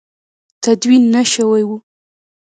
تدوین نه شوي وو.